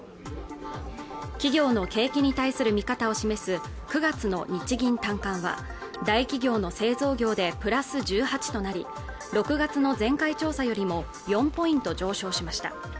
企業の景気に対する見方を示す９月の日銀短観は大企業の製造業でプラス１８となり６月の前回調査よりも４ポイント上昇しました